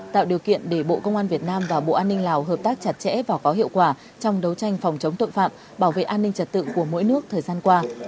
tạo điều kiện để bộ công an việt nam và bộ an ninh lào hợp tác chặt chẽ và có hiệu quả trong đấu tranh phòng chống tội phạm bảo vệ an ninh trật tự của mỗi nước thời gian qua